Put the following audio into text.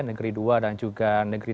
negeri dua dan juga negeri